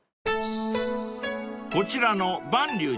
［こちらの］